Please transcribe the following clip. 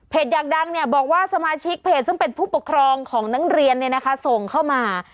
เพจอยากดังเนี่ยบอกว่าสมาชิกเพจซึ่งเป็นผู้ปกครองของนักเรียนเนี่ยนะคะส่งเข้ามา